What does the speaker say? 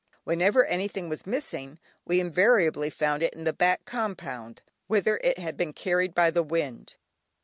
Whenever anything was missing we invariably found it in the back compound, whither it had been carried by the wind.